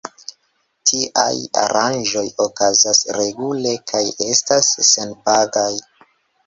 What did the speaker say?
Tiaj aranĝoj okazas regule kaj estas senpagaj.